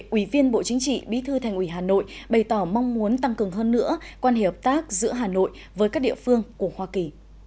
ủy viên bộ chính trị bí thư thành ủy hà nội bày tỏ mong muốn tăng cường hơn nữa quan hệ hợp tác giữa hà nội với các địa phương của hoa kỳ